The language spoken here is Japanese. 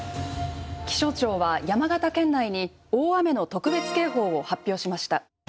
「気象庁は山形県内に大雨の特別警報を発表しました」。